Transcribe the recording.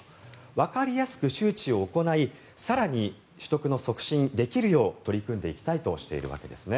わかりやすく周知を行い更に取得の促進をできるよう取り組んでいきたいとしているわけですね。